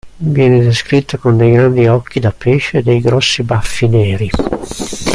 Viene descritto con dei grandi occhi da pesce e dei grossi baffi neri.